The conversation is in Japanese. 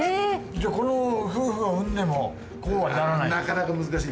じゃあこの夫婦が生んでもこうはならない。